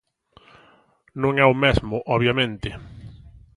Non é o mesmo, obviamente.